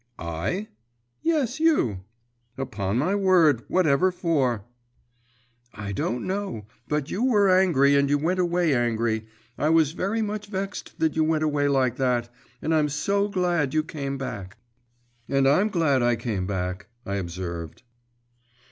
'I?' 'Yes, you.' 'Upon my word, whatever for?' 'I don't know, but you were angry, and you went away angry. I was very much vexed that you went away like that, and I'm so glad you came back.' 'And I'm glad I came back,' I observed.